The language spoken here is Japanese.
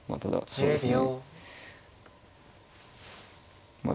そうですね。